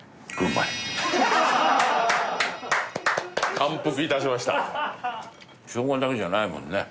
感服いたしましたしょうがだけじゃないもんね